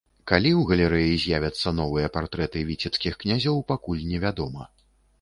Калі у галерэі з'явяцца новыя партрэты віцебскіх князёў, пакуль невядома.